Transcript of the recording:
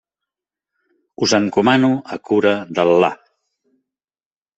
Us encomano a cura d'Al·là.